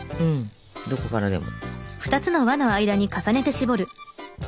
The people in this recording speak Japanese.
どこからでも。